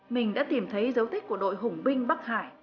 mình đã tìm thấy dấu tích của đội hùng binh bắc hải